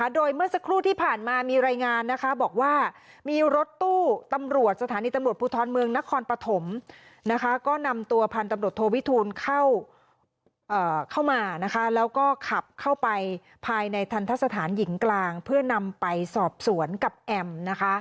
โดยเมื่อสักครู่ที่ผ่านมามีรายงานนะคะบอกว่ามีรถตู้ตำรวจสถานีตำรวจภูทรเมืองนครปฐมนะคะก็นำตัวพันธุ์ตำรวจโทวิทูลเข้ามานะคะแล้วก็ขับเข้าไปภายในทันทะสถานหญิงกลางเพื่อนำไปสอบสวนกับแอมนะคะ